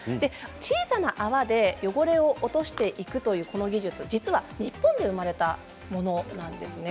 小さな泡で汚れを落としていくというこの技術、実は日本で生まれたものなんです。